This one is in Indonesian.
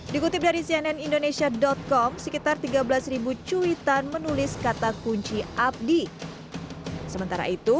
dikutip dari cnn indonesia com sekitar tiga belas cuitan menulis kata kunci abdi sementara itu